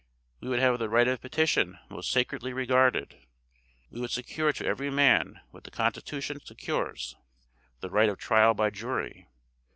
We would have the right of petition most sacredly regarded. We would secure to every man what the Constitution secures, 'The right of trial by jury.'